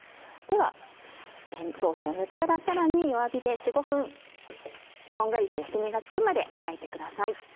ではソースを塗ったらさらに弱火で４５分こんがりと焼き目がつくまで焼いてください。